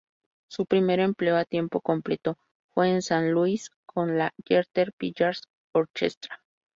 Su primer empleo a tiempo completo fue en St Louis con la Jeter-Pillars Orchestra.